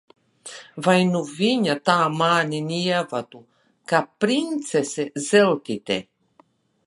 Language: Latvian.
Vai nu viņa tā mani nievātu, kā princese Zeltīte!